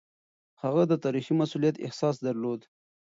هغه د تاريخي مسووليت احساس درلود.